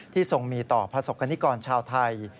ทรงมีต่อประสบกรณิกรชาวไทย